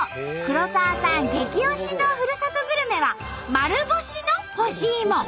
黒沢さん激推しのふるさとグルメは丸干しの干しいも。